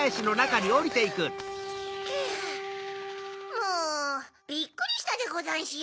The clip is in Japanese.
もうびっくりしたでござんしゅよ。